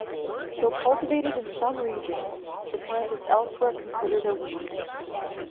Though cultivated in some regions, the plant is elsewhere considered a weed.